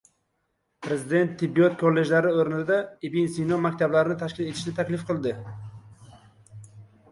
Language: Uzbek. Prezident tibbiyot kollejlari o‘rnida Ibn Sino maktablarini tashkil etishni taklif qildi